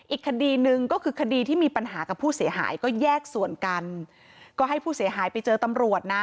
อีกคดีหนึ่งก็คือคดีที่มีปัญหากับผู้เสียหายก็แยกส่วนกันก็ให้ผู้เสียหายไปเจอตำรวจนะ